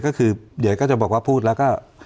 ก็คือเดี๋ยวก็จะบอกว่าพูดแล้วก็